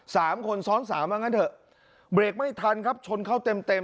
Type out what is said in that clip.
สามคนซ้อนสามว่างั้นเถอะเบรกไม่ทันครับชนเข้าเต็มเต็ม